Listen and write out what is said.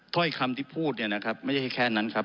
ถ้อยคำที่พูดเนี่ยนะครับไม่ใช่แค่นั้นครับ